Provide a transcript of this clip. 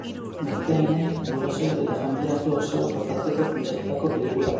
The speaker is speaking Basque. Gazteenek, gurasoek eta familiarte osoak gozatzeko pentsatutako pelikula da.